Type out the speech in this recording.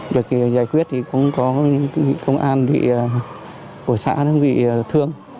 được giải quyết thì cũng có công an của xã nó bị thương